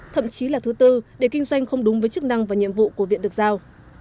thậm chí là thứ tư để kinh doanh không đúng với chức năng và nhiệm vụ của viện được giao